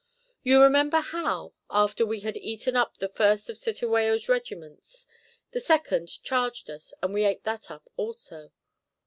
You remember how, after we had eaten up the first of Cetewayo's regiments, the second charged us and we ate that up also.